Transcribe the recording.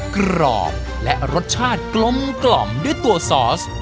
กรอบและรสชาติกลมกล่อมด้วยตัวซอส